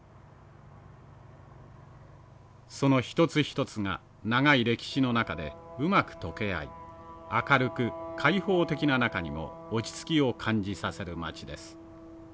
その一つ一つが長い歴史の中でうまく解け合い明るく開放的な中にも落ち着きを感じさせる街です。